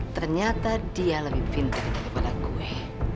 ternyata dia lebih pintar daripada gue